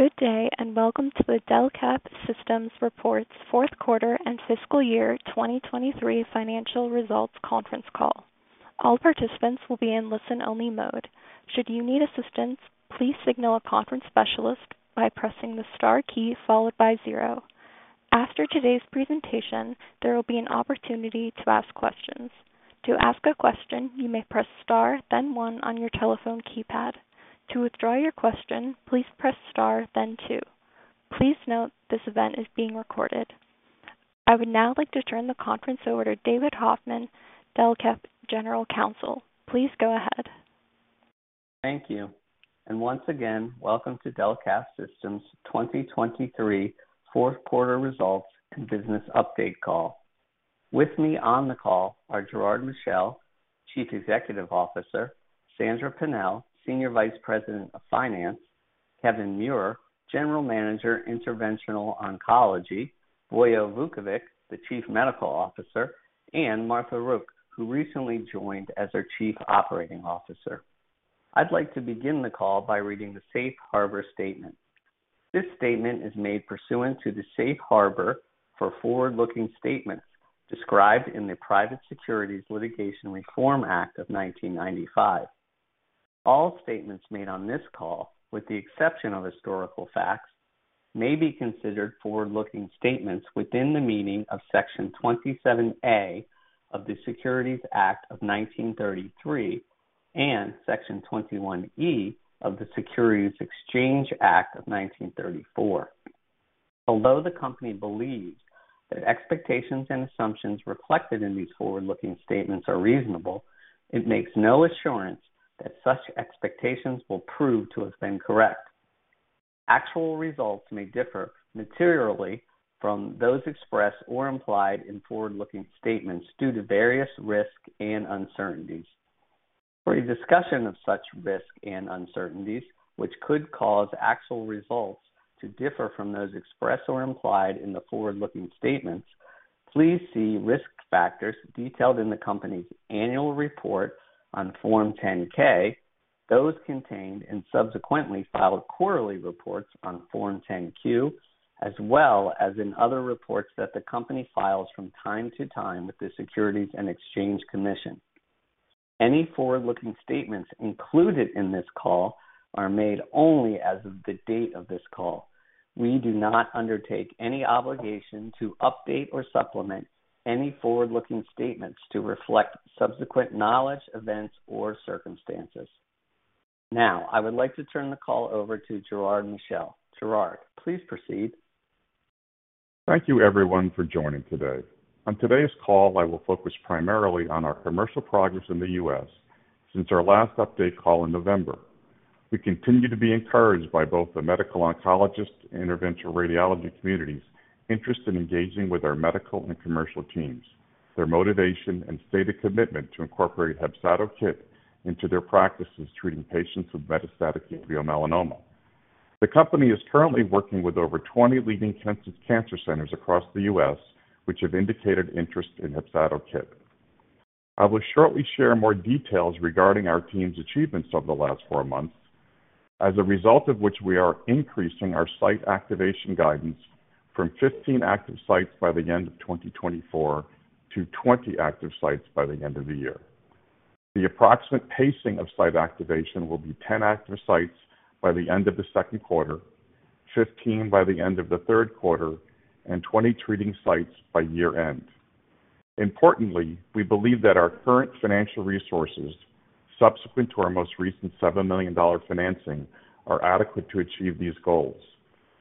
Good day and welcome to the Delcath Systems Reports fourth quarter and fiscal year 2023 financial results conference call. All participants will be in listen-only mode. Should you need assistance, please signal a conference specialist by pressing the star key followed by 0. After today's presentation, there will be an opportunity to ask questions. To ask a question, you may press star then 1 on your telephone keypad. To withdraw your question, please press star then 2. Please note this event is being recorded. I would now like to turn the conference over to David Hoffman, Delcath's General Counsel. Please go ahead. Thank you. Once again, welcome to Delcath Systems 2023 fourth quarter results and business update call. With me on the call are Gerard Michel, Chief Executive Officer, Sandra Pennell, Senior Vice President of Finance, Kevin Muir, General Manager, Interventional Oncology, Vojislav Vukovic, the Chief Medical Officer, and Martha Rook, who recently joined as our Chief Operating Officer. I'd like to begin the call by reading the Safe Harbor Statement. This statement is made pursuant to the Safe Harbor for Forward-Looking Statements described in the Private Securities Litigation Reform Act of 1995. All statements made on this call, with the exception of historical facts, may be considered Forward-Looking Statements within the meaning of Section 27A of the Securities Act of 1933 and Section 21E of the Securities Exchange Act of 1934. Although the company believes that expectations and assumptions reflected in these Forward-Looking Statements are reasonable, it makes no assurance that such expectations will prove to have been correct. Actual results may differ materially from those expressed or implied in Forward-Looking Statements due to various risk and uncertainties. For a discussion of such risk and uncertainties, which could cause actual results to differ from those expressed or implied in the Forward-Looking Statements, please see risk factors detailed in the company's annual report on Form 10-K, those contained in subsequently filed quarterly reports on Form 10-Q, as well as in other reports that the company files from time to time with the Securities and Exchange Commission. Any Forward-Looking Statements included in this call are made only as of the date of this call. We do not undertake any obligation to update or supplement any Forward-Looking Statements to reflect subsequent knowledge, events, or circumstances. Now, I would like to turn the call over to Gerard Michel. Gerard, please proceed. Thank you, everyone, for joining today. On today's call, I will focus primarily on our commercial progress in the U.S. since our last update call in November. We continue to be encouraged by both the medical oncologist and interventional radiology communities interested in engaging with our medical and commercial teams, their motivation and stated commitment to incorporate HEPZATO KIT into their practices treating patients with metastatic uveal melanoma. The company is currently working with over 20 leading cancer centers across the U.S., which have indicated interest in HEPZATO KIT. I will shortly share more details regarding our team's achievements over the last four months, as a result of which we are increasing our site activation guidance from 15 active sites by the end of 2024 to 20 active sites by the end of the year. The approximate pacing of site activation will be tem active sites by the end of the second quarter, 15 by the end of the third quarter, and 20 treating sites by year-end. Importantly, we believe that our current financial resources, subsequent to our most recent $7 million financing, are adequate to achieve these goals.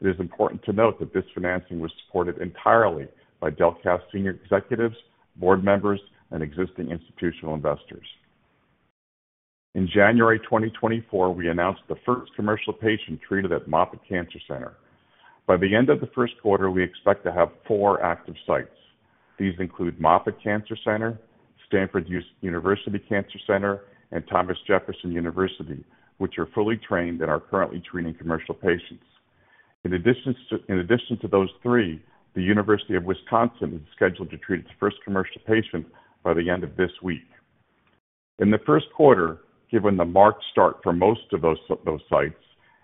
It is important to note that this financing was supported entirely by Delcath senior executives, board members, and existing institutional investors. In January 2024, we announced the first commercial patient treated at Moffitt Cancer Center. By the end of the first quarter, we expect to have four active sites. These include Moffitt Cancer Center, Stanford University Cancer Center, and Thomas Jefferson University, which are fully trained and are currently treating commercial patients. In addition to those three, the University of Wisconsin is scheduled to treat its first commercial patient by the end of this week. In the first quarter, given the marked start for most of those sites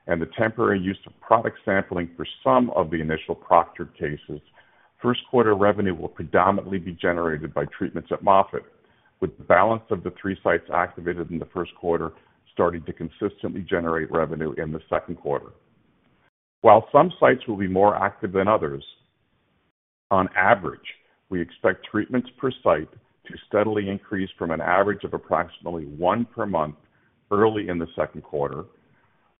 and the temporary use of product sampling for some of the initial proctored cases, first-quarter revenue will predominantly be generated by treatments at Moffitt, with the balance of the three sites activated in the first quarter starting to consistently generate revenue in the second quarter. While some sites will be more active than others, on average, we expect treatments per site to steadily increase from an average of approximately 1 per month early in the second quarter,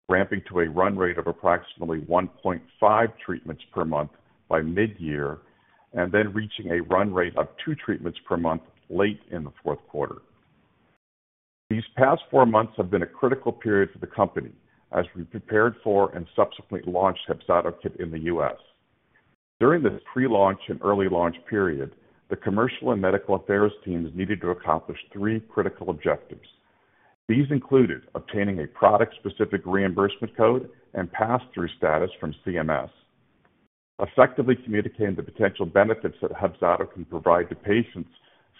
ramping to a run rate of approximately 1.5 treatments per month by mid-year, and then reaching a run rate of two treatments per month late in the fourth quarter. These past 4 months have been a critical period for the company as we prepared for and subsequently launched HEPZATO KIT in the U.S. During this pre-launch and early-launch period, the commercial and medical affairs teams needed to accomplish three critical objectives. These included obtaining a product-specific reimbursement code and pass-through status from CMS, effectively communicating the potential benefits that HEPZATO KIT can provide to patients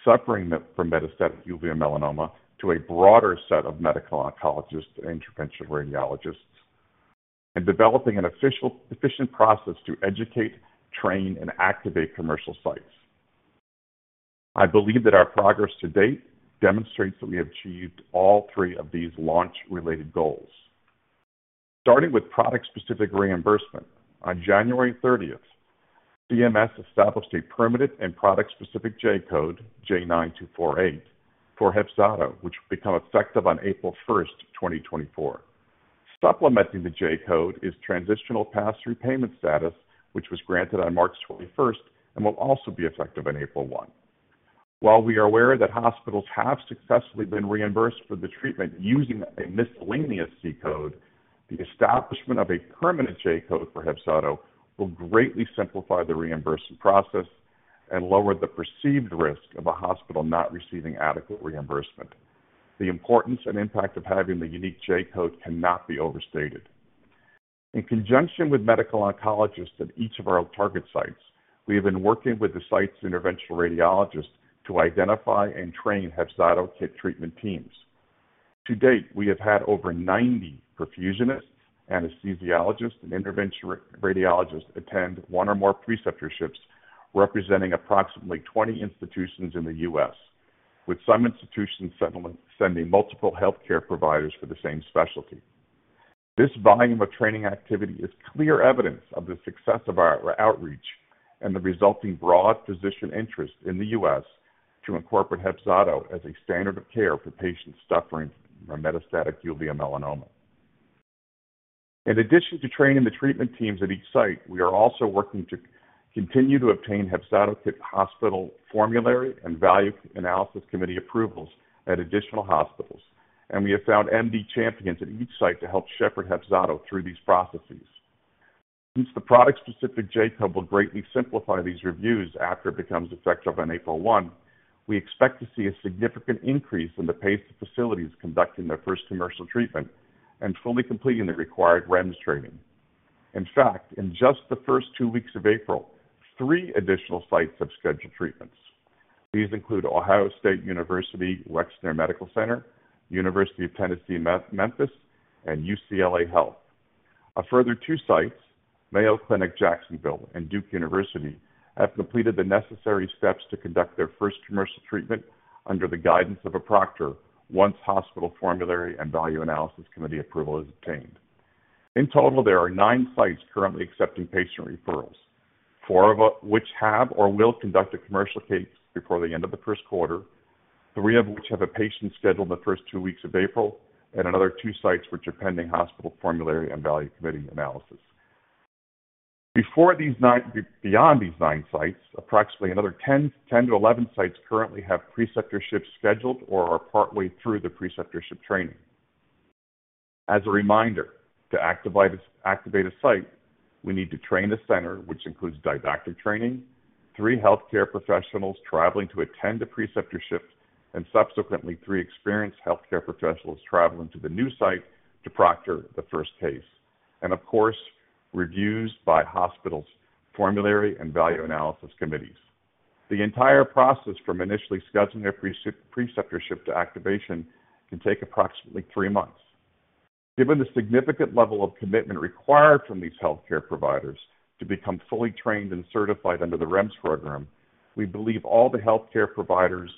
suffering from metastatic uveal melanoma to a broader set of medical oncologists and interventional radiologists, and developing an efficient process to educate, train, and activate commercial sites. I believe that our progress to date demonstrates that we have achieved all three of these launch-related goals. Starting with product-specific reimbursement, on January 30th, CMS established a permitted and product-specific J code, J9248, for HEPZATO KIT, which will become effective on April 1st, 2024. Supplementing the J code is transitional pass-through payment status, which was granted on March 21st and will also be effective on April 1. While we are aware that hospitals have successfully been reimbursed for the treatment using a miscellaneous C code, the establishment of a permanent J code for HEPZATO will greatly simplify the reimbursement process and lower the perceived risk of a hospital not receiving adequate reimbursement. The importance and impact of having the unique J code cannot be overstated. In conjunction with medical oncologists at each of our target sites, we have been working with the site's interventional radiologists to identify and train HEPZATO KIT treatment teams. To date, we have had over 90 perfusionists, anesthesiologists, and interventional radiologists attend one or more preceptorships representing approximately 20 institutions in the U.S., with some institutions sending multiple healthcare providers for the same specialty. This volume of training activity is clear evidence of the success of our outreach and the resulting broad physician interest in the U.S. to incorporate HEPZATO as a standard of care for patients suffering from metastatic uveal melanoma. In addition to training the treatment teams at each site, we are also working to continue to obtain HEPZATO KIT hospital formulary and value analysis committee approvals at additional hospitals, and we have found MD champions at each site to help shepherd HEPZATO through these processes. Since the product-specific J code will greatly simplify these reviews after it becomes effective on April 1, we expect to see a significant increase in the pace of facilities conducting their first commercial treatment and fully completing the required REMS training. In fact, in just the first two weeks of April, three additional sites have scheduled treatments. These include Ohio State University Wexner Medical Center, University of Tennessee Memphis, and UCLA Health. A further two sites, Mayo Clinic Jacksonville and Duke University, have completed the necessary steps to conduct their first commercial treatment under the guidance of a proctor once hospital formulary and value analysis committee approval is obtained. In total, there are nine sites currently accepting patient referrals, four of which have or will conduct a commercial case before the end of the first quarter, three of which have a patient scheduled in the first two weeks of April, and another two sites which are pending hospital formulary and value committee analysis. Beyond these nine sites, approximately another 10-11 sites currently have preceptorships scheduled or are partway through the preceptorship training. As a reminder, to activate a site, we need to train a center, which includes didactic training, three healthcare professionals traveling to attend a preceptorship, and subsequently three experienced healthcare professionals traveling to the new site to proctor the first case, and of course, reviews by hospital's formulary and value analysis committees. The entire process from initially scheduling a preceptorship to activation can take approximately three months. Given the significant level of commitment required from these healthcare providers to become fully trained and certified under the REMS program, we believe all the healthcare providers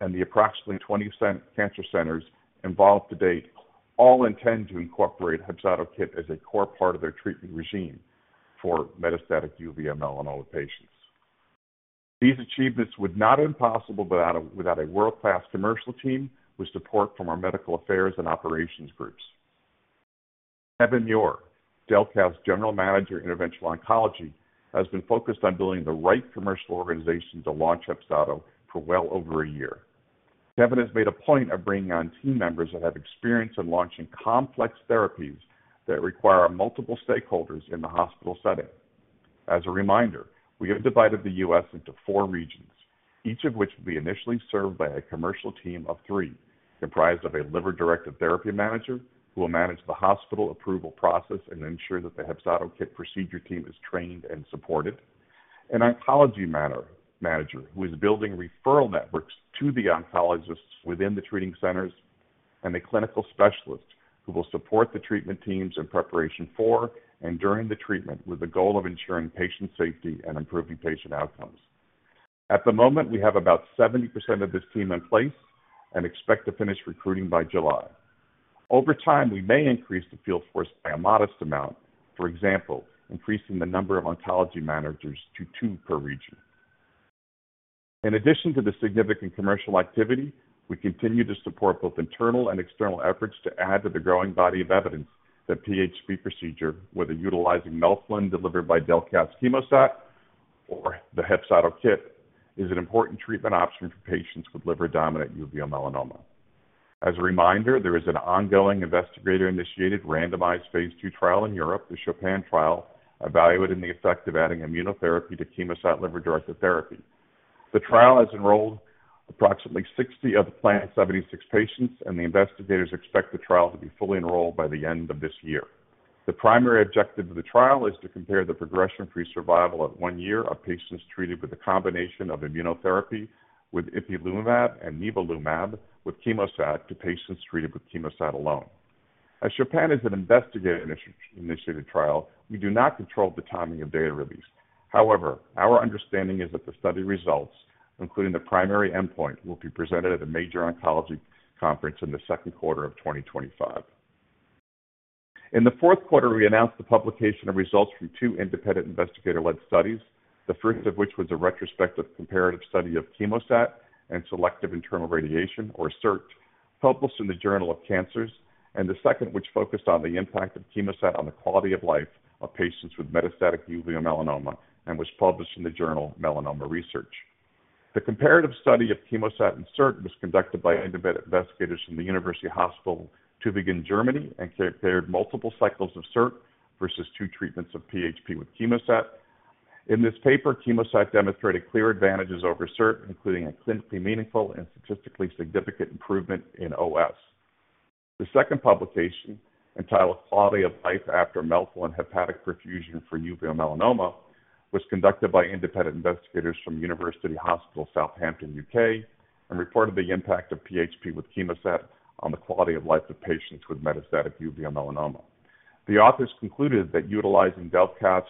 and the approximately 20 cancer centers involved to date all intend to incorporate HEPZATO KIT as a core part of their treatment regimen for metastatic uveal melanoma patients. These achievements would not have been possible without a world-class commercial team with support from our medical affairs and operations groups. Kevin Muir, Delcath's General Manager, Interventional Oncology, has been focused on building the right commercial organization to launch HEPZATO KIT for well over a year. Kevin has made a point of bringing on team members that have experience in launching complex therapies that require multiple stakeholders in the hospital setting. As a reminder, we have divided the U.S. into four regions, each of which will be initially served by a commercial team of three, comprised of a liver-directed therapy manager who will manage the hospital approval process and ensure that the HEPZATO KIT procedure team is trained and supported, an oncology manager who is building referral networks to the oncologists within the treating centers, and a clinical specialist who will support the treatment teams in preparation for and during the treatment with the goal of ensuring patient safety and improving patient outcomes. At the moment, we have about 70% of this team in place and expect to finish recruiting by July. Over time, we may increase the field force by a modest amount, for example, increasing the number of oncology managers to two per region. In addition to the significant commercial activity, we continue to support both internal and external efforts to add to the growing body of evidence that PHP procedure, whether utilizing melphalan delivered by Delcath's CHEMOSAT or the HEPZATO KIT, is an important treatment option for patients with liver-dominant metastatic uveal melanoma. As a reminder, there is an ongoing investigator-initiated randomized phase II trial in Europe, the CHOPIN trial, evaluating the effect of adding immunotherapy to CHEMOSAT liver-directed therapy. The trial has enrolled approximately 60 of the planned 76 patients, and the investigators expect the trial to be fully enrolled by the end of this year. The primary objective of the trial is to compare the progression-free survival at one year of patients treated with a combination of immunotherapy with ipilimumab and nivolumab with CHEMOSAT to patients treated with CHEMOSAT alone. As CHOPIN is an investigator-initiated trial, we do not control the timing of data release. However, our understanding is that the study results, including the primary endpoint, will be presented at a major oncology conference in the second quarter of 2025. In the fourth quarter, we announced the publication of results from two independent investigator-led studies, the first of which was a retrospective comparative study of CHEMOSAT and selective internal radiation, or SIRT, published in the Journal of Cancers, and the second which focused on the impact of CHEMOSAT on the quality of life of patients with metastatic uveal melanoma and was published in the journal Melanoma Research. The comparative study of CHEMOSAT and SIRT was conducted by independent investigators from the University Hospital Tübingen, Germany, and compared multiple cycles of SIRT versus two treatments of PHP with CHEMOSAT. In this paper, CHEMOSAT demonstrated clear advantages over SIRT, including a clinically meaningful and statistically significant improvement in OS. The second publication, entitled "Quality of Life After Melphalan Hepatic Perfusion for Uveal Melanoma," was conducted by independent investigators from University Hospital Southampton, UK, and reported the impact of PHP with CHEMOSAT on the quality of life of patients with metastatic uveal melanoma. The authors concluded that utilizing Delcath's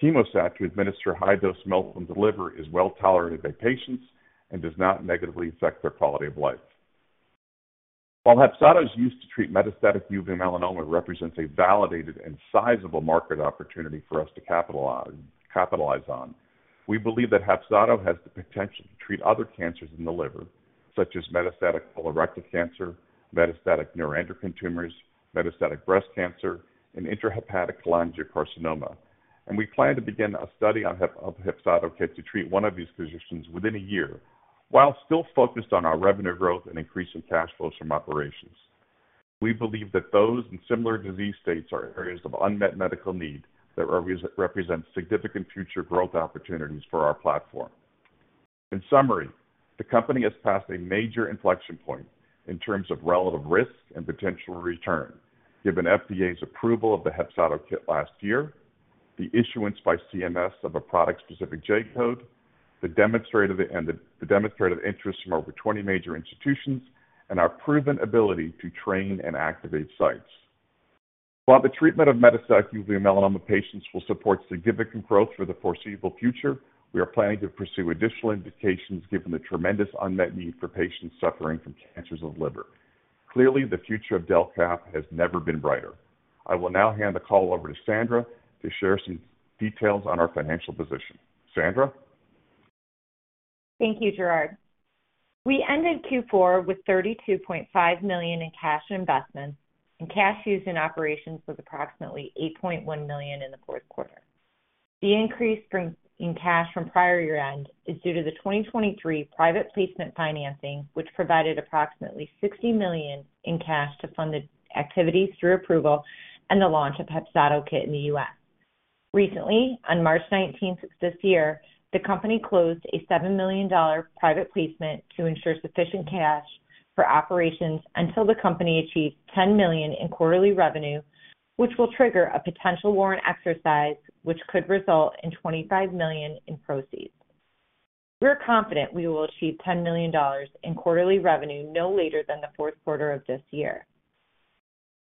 CHEMOSAT to administer high-dose melphalan to the liver is well-tolerated by patients and does not negatively affect their quality of life. While HEPZATO's use to treat metastatic uveal melanoma represents a validated and sizable market opportunity for us to capitalize on, we believe that HEPZATO has the potential to treat other cancers in the liver, such as metastatic colorectal cancer, metastatic neuroendocrine tumors, metastatic breast cancer, and intrahepatic cholangiocarcinoma. We plan to begin a study of HEPZATO KIT to treat one of these conditions within a year while still focused on our revenue growth and increasing cash flows from operations. We believe that those and similar disease states are areas of unmet medical need that represent significant future growth opportunities for our platform. In summary, the company has passed a major inflection point in terms of relative risk and potential return, given FDA's approval of the HEPZATO KIT last year, the issuance by CMS of a product-specific J code, the demonstrative interest from over 20 major institutions, and our proven ability to train and activate sites. While the treatment of metastatic uveal melanoma patients will support significant growth for the foreseeable future, we are planning to pursue additional indications given the tremendous unmet need for patients suffering from cancers of the liver. Clearly, the future of Delcath has never been brighter. I will now hand the call over to Sandra to share some details on our financial position. Sandra? Thank you, Gerard. We ended Q4 with $32.5 million in cash investment, and cash used in operations was approximately $8.1 million in the fourth quarter. The increase in cash from prior year-end is due to the 2023 private placement financing, which provided approximately $60 million in cash to fund the activities through approval and the launch of HEPZATO KIT in the U.S. Recently, on March 19th of this year, the company closed a $7 million private placement to ensure sufficient cash for operations until the company achieved $10 million in quarterly revenue, which will trigger a potential warrant exercise, which could result in $25 million in proceeds. We are confident we will achieve $10 million in quarterly revenue no later than the fourth quarter of this year.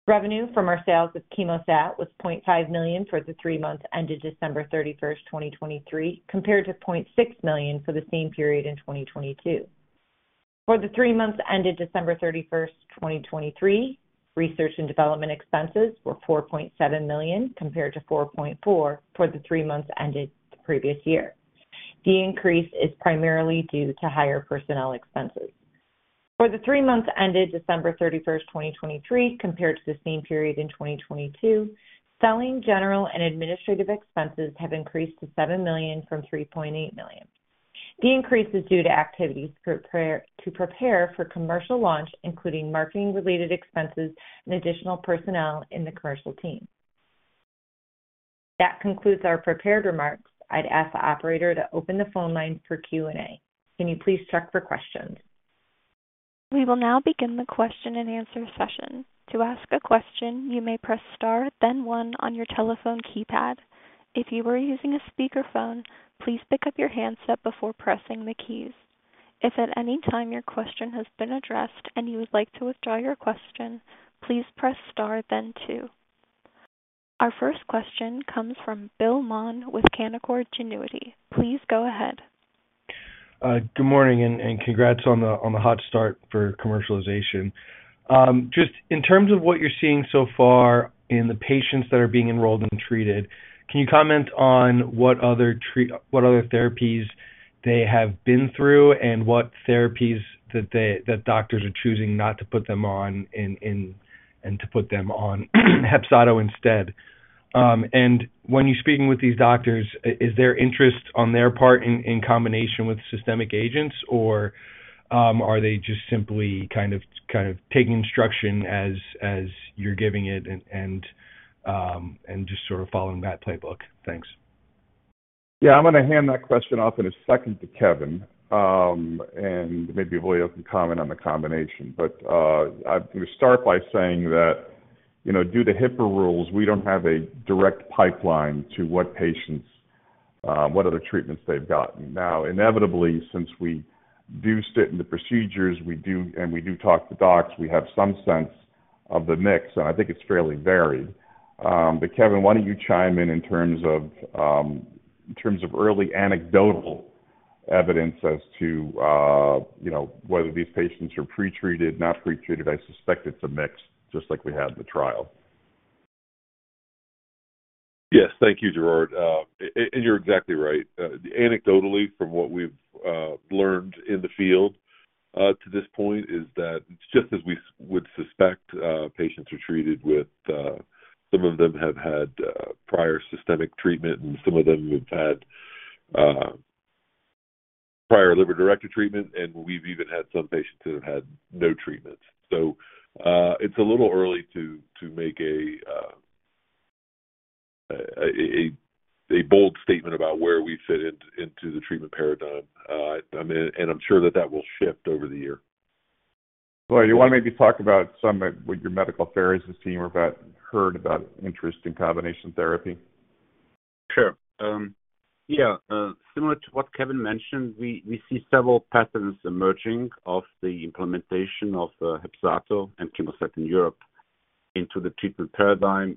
Revenue from our sales of CHEMOSAT was $0.5 million for the three months ended December 31st, 2023, compared to $0.6 million for the same period in 2022. For the three months ended December 31st, 2023, research and development expenses were $4.7 million compared to $4.4 million for the three months ended the previous year. The increase is primarily due to higher personnel expenses. For the three months ended December 31st, 2023, compared to the same period in 2022, selling, general, and administrative expenses have increased to $7 million from $3.8 million. The increase is due to activities to prepare for commercial launch, including marketing-related expenses and additional personnel in the commercial team. That concludes our prepared remarks. I'd ask the operator to open the phone lines for Q&A. Can you please check for questions? We will now begin the question-and-answer session. To ask a question, you may press star, then one, on your telephone keypad. If you are using a speakerphone, please pick up your handset before pressing the keys. If at any time your question has been addressed and you would like to withdraw your question, please press star, then two. Our first question comes from Bill Maughan with Canaccord Genuity. Please go ahead. Good morning and congrats on the hot start for commercialization. Just in terms of what you're seeing so far in the patients that are being enrolled and treated, can you comment on what other therapies they have been through and what therapies that doctors are choosing not to put them on and to put them on HEPZATO instead? When you're speaking with these doctors, is there interest on their part in combination with systemic agents, or are they just simply kind of taking instruction as you're giving it and just sort of following that playbook? Thanks. Yeah, I'm going to hand that question off in a second to Kevin, and maybe William can comment on the combination. But I'm going to start by saying that due to HIPAA rules, we don't have a direct pipeline to what other treatments they've gotten. Now, inevitably, since we do sit in the procedures and we do talk to docs, we have some sense of the mix, and I think it's fairly varied. But Kevin, why don't you chime in in terms of early anecdotal evidence as to whether these patients are pretreated, not pretreated? I suspect it's a mix, just like we had in the trial. Yes, thank you, Gerard. You're exactly right. Anecdotally, from what we've learned in the field to this point, is that just as we would suspect, patients are treated with some of them have had prior systemic treatment, and some of them have had prior liver-directed treatment, and we've even had some patients that have had no treatment. It's a little early to make a bold statement about where we fit into the treatment paradigm. I'm sure that that will shift over the year. Laurie, do you want to maybe talk about some of what your medical affairs team have heard about interest in combination therapy? Sure. Yeah. Similar to what Kevin mentioned, we see several patterns emerging of the implementation of HEPZATO and CHEMOSAT in Europe into the treatment paradigm,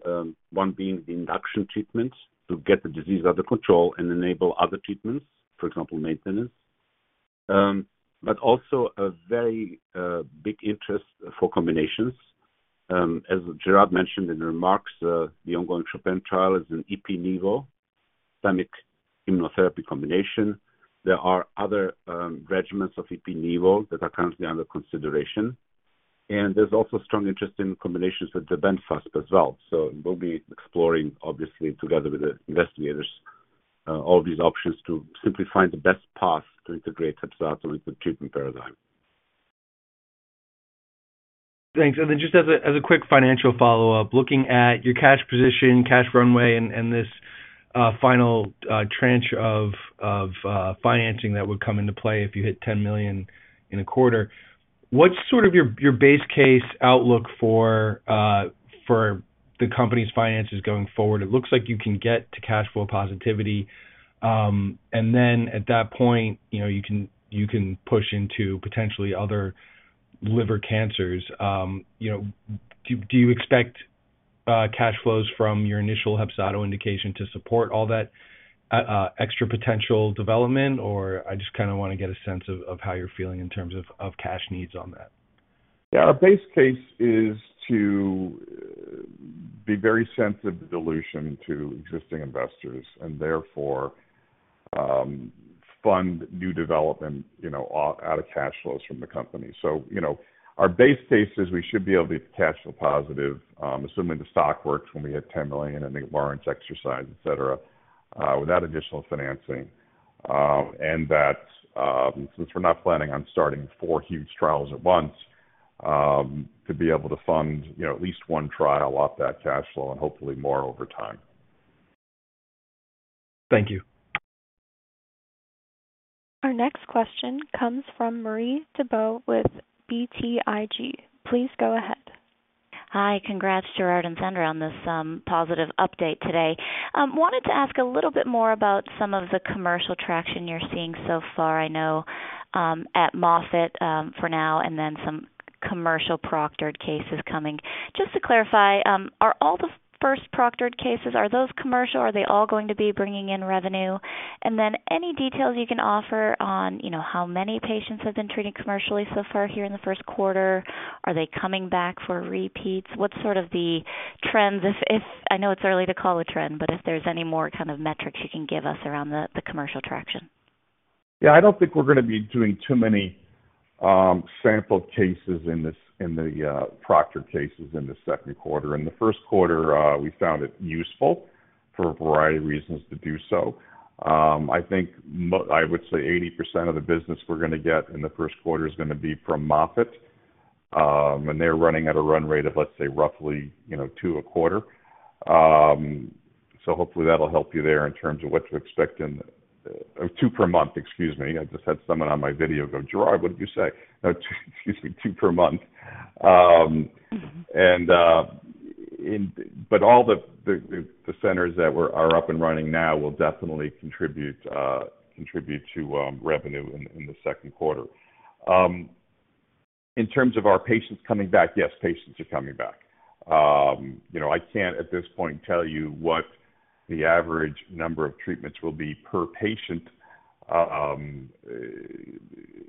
one being the induction treatment to get the disease out of control and enable other treatments, for example, maintenance. But also a very big interest for combinations. As Gerard mentioned in the remarks, the ongoing CHOPIN trial is an ipi-nivol systemic immunotherapy combination. There are other regimens of ipi-nivol that are currently under consideration. And there's also strong interest in combinations with tebentafusp as well. So we'll be exploring, obviously, together with the investigators, all these options to simply find the best path to integrate HEPZATO into the treatment paradigm. Thanks. Then just as a quick financial follow-up, looking at your cash position, cash runway, and this final tranche of financing that would come into play if you hit $10 million in a quarter, what's sort of your base case outlook for the company's finances going forward? It looks like you can get to cash flow positivity. Then at that point, you can push into potentially other liver cancers. Do you expect cash flows from your initial HEPZATO indication to support all that extra potential development, or I just kind of want to get a sense of how you're feeling in terms of cash needs on that? Yeah, our base case is to be very sensitive to dilution to existing investors and therefore fund new development out of cash flows from the company. So our base case is we should be able to get to cash flow positive, assuming the stock works when we hit $10 million and the warrants exercise, etc., without additional financing. And since we're not planning on starting four huge trials at once, to be able to fund at least one trial off that cash flow and hopefully more over time. Thank you. Our next question comes from Marie Thibault with BTIG. Please go ahead. Hi. Congrats, Gerard and Sandra, on this positive update today. Wanted to ask a little bit more about some of the commercial traction you're seeing so far. I know at Moffitt for now and then some commercial proctored cases coming. Just to clarify, are all the first proctored cases, are those commercial? Are they all going to be bringing in revenue? And then any details you can offer on how many patients have been treated commercially so far here in the first quarter? Are they coming back for repeats? What's sort of the trends? I know it's early to call a trend, but if there's any more kind of metrics you can give us around the commercial traction. Yeah, I don't think we're going to be doing too many sample cases in the proctored cases in the second quarter. In the first quarter, we found it useful for a variety of reasons to do so. I would say 80% of the business we're going to get in the first quarter is going to be from Moffitt, and they're running at a run rate of, let's say, roughly two a quarter. So hopefully, that'll help you there in terms of what to expect in two per month. Excuse me. I just had someone on my video go, "Gerard, what did you say?" No, excuse me, two per month. But all the centers that are up and running now will definitely contribute to revenue in the second quarter. In terms of our patients coming back, yes, patients are coming back. I can't, at this point, tell you what the average number of treatments will be per patient.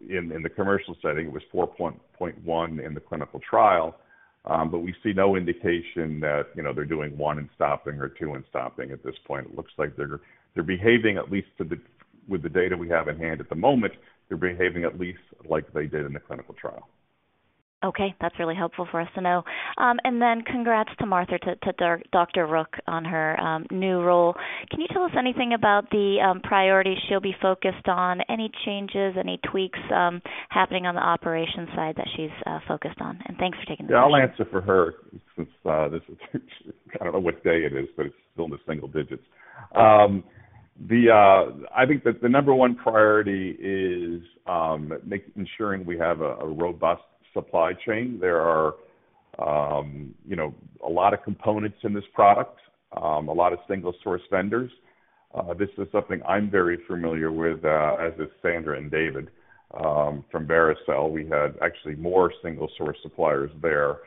In the commercial setting, it was 4.1 in the clinical trial, but we see no indication that they're doing one and stopping or two and stopping at this point. It looks like they're behaving, at least with the data we have in hand at the moment, they're behaving at least like they did in the clinical trial. Okay. That's really helpful for us to know. And then congrats to Martha, to Dr. Rook, on her new role. Can you tell us anything about the priorities she'll be focused on, any changes, any tweaks happening on the operation side that she's focused on? And thanks for taking the time. Yeah, I'll answer for her since this is I don't know what day it is, but it's still in the single digits. I think that the number one priority is ensuring we have a robust supply chain. There are a lot of components in this product, a lot of single-source vendors. This is something I'm very familiar with, as is Sandra and David from Vericel. We had actually more single-source suppliers there.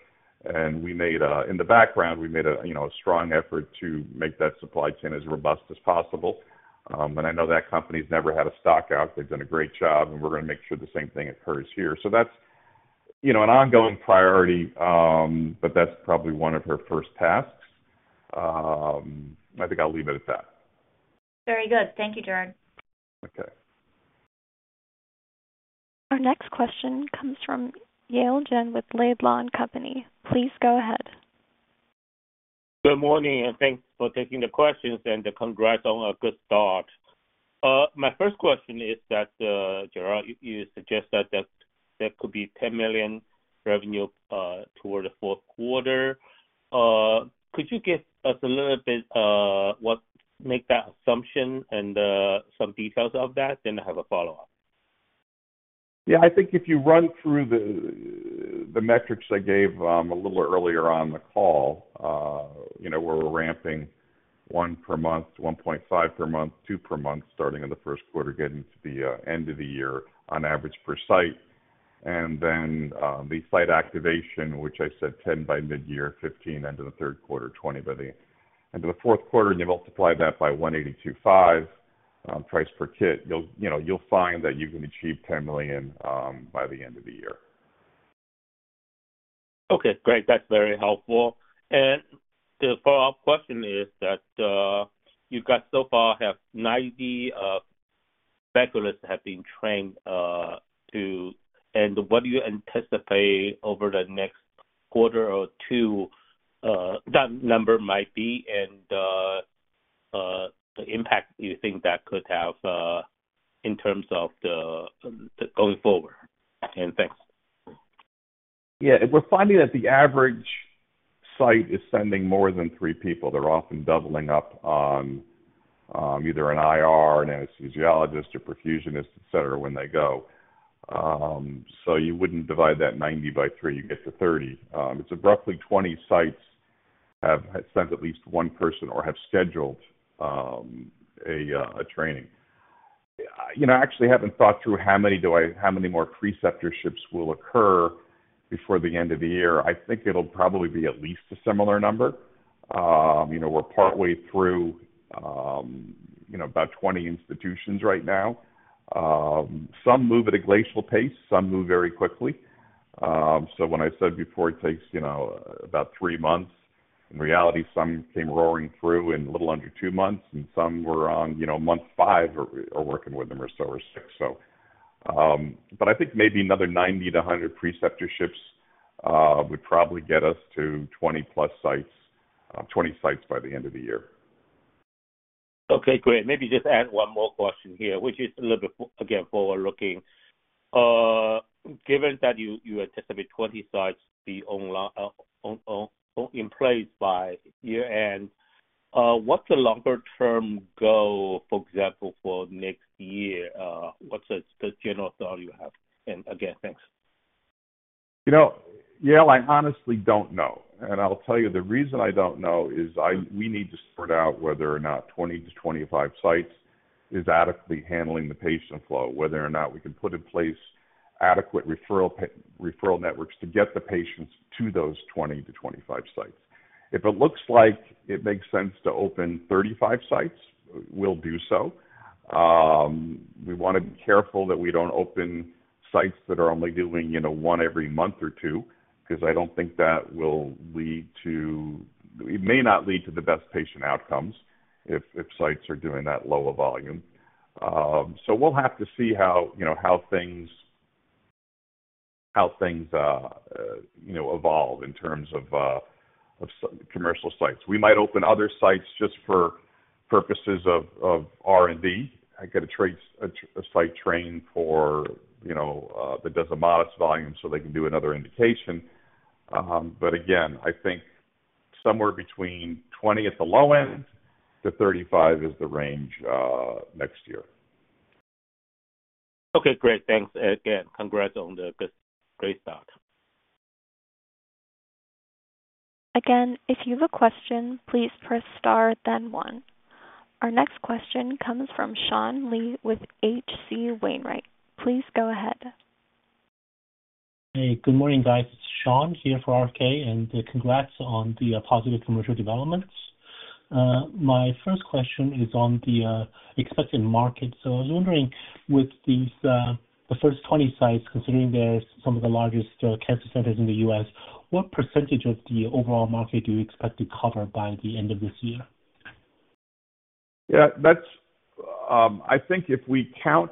And in the background, we made a strong effort to make that supply chain as robust as possible. And I know that company's never had a stockout. They've done a great job, and we're going to make sure the same thing occurs here. So that's an ongoing priority, but that's probably one of her first tasks. I think I'll leave it at that. Very good. Thank you, Gerard. Okay. Our next question comes from Yale Jen with Laidlaw & Company. Please go ahead. Good morning, and thanks for taking the questions and congrats on a good start. My first question is that, Gerard, you suggest that there could be $10 million revenue toward the fourth quarter. Could you give us a little bit what makes that assumption and some details of that? Then I have a follow-up. Yeah, I think if you run through the metrics I gave a little earlier on the call, where we're ramping 1 per month, 1.5 per month, two per month starting in the first quarter, getting to the end of the year on average per site, and then the site activation, which I said 10 by mid-year, 15 end of the third quarter, 20 by the end of the fourth quarter, and you multiply that by $182.5 price per kit, you'll find that you can achieve $10 million by the end of the year. Okay. Great. That's very helpful. The follow-up question is that you guys so far have 90 specialists have been trained to. And what do you anticipate over the next quarter or two that number might be and the impact you think that could have in terms of going forward? And thanks. Yeah, we're finding that the average site is sending more than three people. They're often doubling up on either an IR, an anesthesiologist, a perfusionist, etc., when they go. So you wouldn't divide that 90 by three. You get to 30. It's roughly 20 sites have sent at least one person or have scheduled a training. I actually haven't thought through how many more preceptorships will occur before the end of the year. I think it'll probably be at least a similar number. We're partway through about 20 institutions right now. Some move at a glacial pace. Some move very quickly. So when I said before it takes about three months, in reality, some came roaring through in a little under two months, and some were on month five or working with them or so or six, so. But I think maybe another 90-100 preceptorships would probably get us to 20+ sites by the end of the year. Okay. Great. Maybe just add one more question here, which is a little bit, again, forward-looking. Given that you anticipate 20 sites be in place by year-end, what's the longer-term goal, for example, for next year? What's the general thought you have? And again, thanks. Yale, I honestly don't know. And I'll tell you, the reason I don't know is we need to sort out whether or not 20-25 sites is adequately handling the patient flow, whether or not we can put in place adequate referral networks to get the patients to those 20-25 sites. If it looks like it makes sense to open 35 sites, we'll do so. We want to be careful that we don't open sites that are only doing one every month or two because I don't think that will lead to. It may not lead to the best patient outcomes if sites are doing that low of volume. So we'll have to see how things evolve in terms of commercial sites. We might open other sites just for purposes of R&D. I get a site trained that does a modest volume so they can do another indication. But again, I think somewhere between 20 at the low end to 35 is the range next year. Okay. Great. Thanks. Again, congrats on the great start. Again, if you have a question, please press star, then one. Our next question comes from Sean Lee with H.C. Wainwright. Please go ahead. Hey, good morning, guys. It's Sean here for H.C. Wainwright, and congrats on the positive commercial developments. My first question is on the expected market. So I was wondering, with the first 20 sites, considering they're some of the largest cancer centers in the U.S., what percentage of the overall market do you expect to cover by the end of this year? Yeah, I think if we count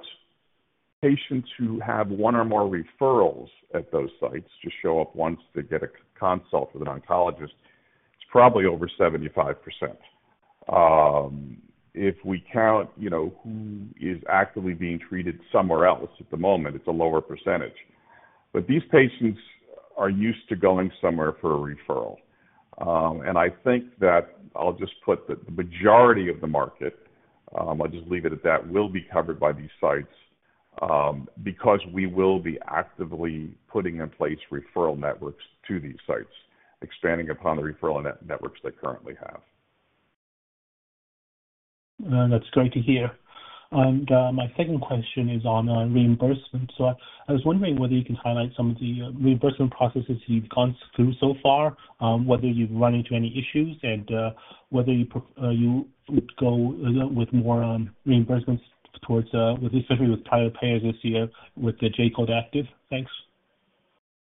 patients who have one or more referrals at those sites to show up once to get a consult with an oncologist, it's probably over 75%. If we count who is actively being treated somewhere else at the moment, it's a lower percentage. But these patients are used to going somewhere for a referral. And I think that I'll just put that the majority of the market - I'll just leave it at that - will be covered by these sites because we will be actively putting in place referral networks to these sites, expanding upon the referral networks they currently have. That's great to hear. My second question is on reimbursement. I was wondering whether you can highlight some of the reimbursement processes you've gone through so far, whether you've run into any issues, and whether you would go with more reimbursements towards especially with prior payers this year with the J-code active? Thanks.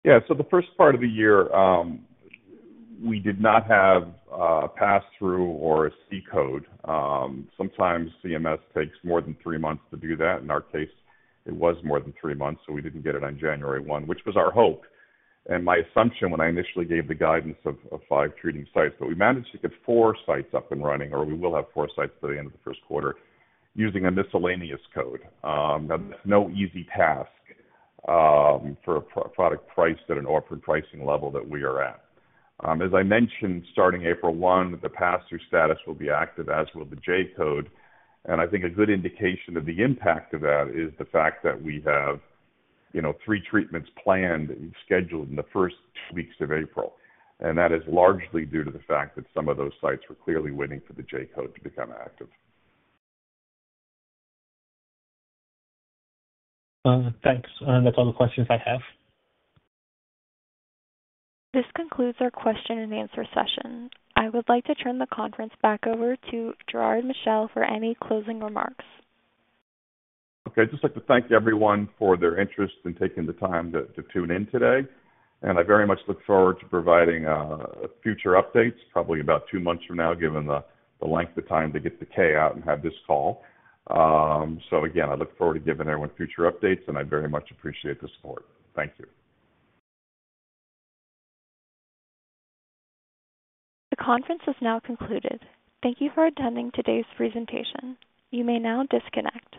Yeah. So the first part of the year, we did not have a pass-through or a C code. Sometimes CMS takes more than three months to do that. In our case, it was more than three months, so we didn't get it on January 1, which was our hope and my assumption when I initially gave the guidance of 5 treating sites. But we managed to get four sites up and running, or we will have four sites by the end of the first quarter, using a miscellaneous code. No easy task for a product priced at an orphan pricing level that we are at. As I mentioned, starting April 1, the pass-through status will be active, as will the J code. And I think a good indication of the impact of that is the fact that we have three treatments planned, scheduled in the first two weeks of April. That is largely due to the fact that some of those sites were clearly waiting for the J-code to become active. Thanks. That's all the questions I have. This concludes our question-and-answer session. I would like to turn the conference back over to Gerard Michel for any closing remarks. Okay. I'd just like to thank everyone for their interest and taking the time to tune in today. I very much look forward to providing future updates, probably about two months from now, given the length of time to get the K out and have this call. Again, I look forward to giving everyone future updates, and I very much appreciate the support. Thank you. The conference has now concluded. Thank you for attending today's presentation. You may now disconnect.